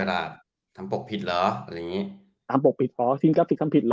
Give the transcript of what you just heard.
ที่วากในตอนที่ตอบขายซีนกัปติกนผิดหรอ